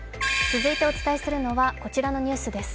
続いてお伝えするのはこちらのニュースです。